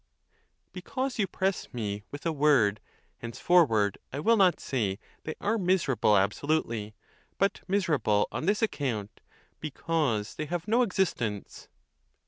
Because you press me with a word, henceforward I will not say they are miserable absolutely, but miserable on this account, because they have no existence.